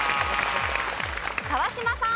川島さん。